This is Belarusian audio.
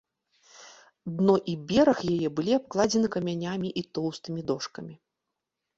Дно і бераг яе былі абкладзены камянямі і тоўстымі дошкамі.